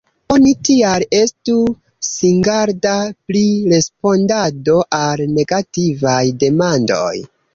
Oni tial estu singarda pri respondado al negativaj demandoj.